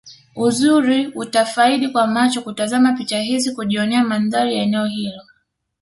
Uzuri utaufaidi kwa macho kutazama picha hizi kujionea mandhari ya eneo hilo